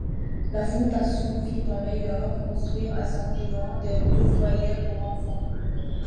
La Fondation fit par ailleurs construire à San Juan deux foyers pour enfants.